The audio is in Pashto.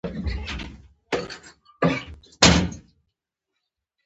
دلته د استقراضي پانګې په اړه معلومات وړاندې کوو